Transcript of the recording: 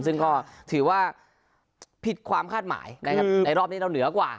ซึ่งก็ถือว่าผิดความคาดหมายนะครับในรอบนี้เราเหนือกว่า